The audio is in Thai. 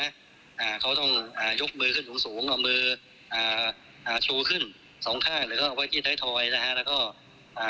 เขาต้องยกมือขึ้นโอ่งสูงเอามือโชว์ขึ้น๒ท่านูค่ะ